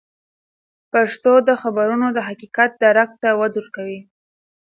پښتو د خبرونو د حقیقت درک ته وده ورکوي.